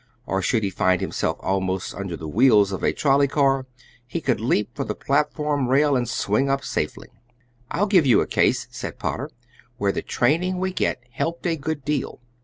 Or should he find himself almost under the wheels of a trolley car, he could leap for the platform rail and swing up to safety. "I'll give you a case," said Potter, "where the training we get helped a good deal.